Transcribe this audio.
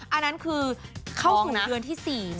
อันนั้นคือเข้าสู่เดือนที่๔